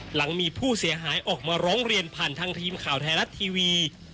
หลังมีผู้เสียหายออกมาร้องเรียนผ่านทางทีมข่าวไทยรัฐทีวี